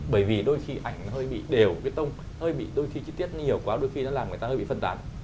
bởi vì đôi khi ảnh nó hơi bị đều bê tông hơi bị đôi khi chi tiết nhiều quá đôi khi nó làm người ta hơi bị phân tán